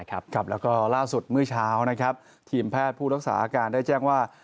กลับแล้วก็ล่าสุดมื้อเช้าทีมแพทย์ผู้รักษาอาการได้แจ้งว่า